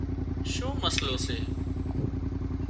شُون مسئلو سي